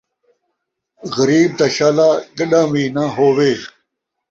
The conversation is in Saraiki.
غریب تاں شالا گݙان٘ھ وی ناں ہووے